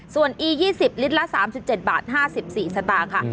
ส่วนอี๒๐ลิตรละ๓๗บาท๕๔สตางค์ค่ะ